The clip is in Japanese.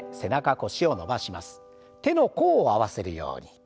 手の甲を合わせるように。